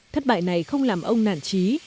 thất bại này không làm ông nản trí